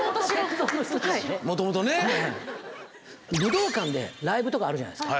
武道館でライブとかあるじゃないですか。